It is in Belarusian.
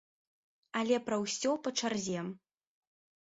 Але пра ўсё па чарзе.